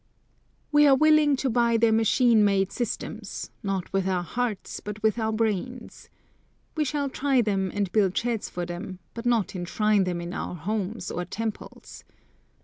We are willing to buy their machine made systems, not with our hearts, but with our brains. We shall try them and build sheds for them, but not enshrine them in our homes, or temples.